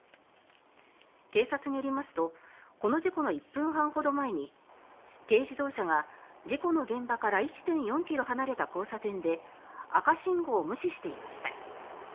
警察によりますとこの事故の１分半ほど前に軽自動車が事故の現場から１．４ｋｍ離れた交差点で赤信号を無視していました。